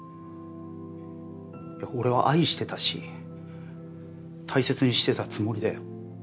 いや俺は愛してたし大切にしてたつもりだよ。